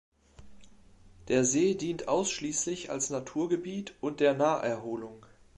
Der See dient ausschließlich als Naturgebiet und der Naherholung.